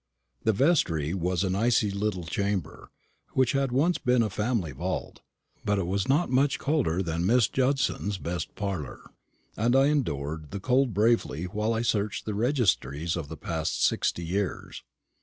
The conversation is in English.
The vestry was an icy little chamber, which had once been a family vault; but it was not much colder than Miss Judson's best parlour; and I endured the cold bravely while I searched the registries of the last sixty years.